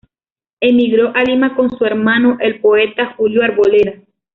Emigró a Lima con su hermano el poeta Julio Arboleda.